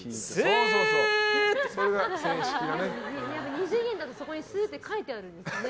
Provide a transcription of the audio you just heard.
２次元だとそこにスーッて書いてあるんですかね。